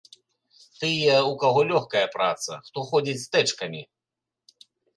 Тыя, у каго лёгкая праца, хто ходзіць з тэчкамі.